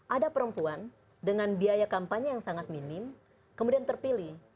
ada perempuan dengan biaya kampanye yang sangat minim kemudian terpilih